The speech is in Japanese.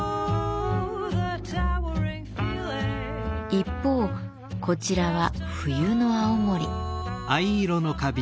一方こちらは冬の青森。